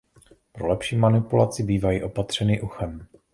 Pro lepší manipulaci bývají opatřeny uchem.